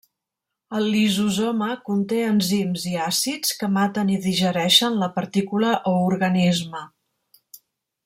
El lisosoma conté enzims i àcids que maten i digereixen la partícula o organisme.